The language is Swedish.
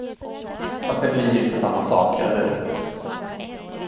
Fast det blir ju inte samma sak, eller hur?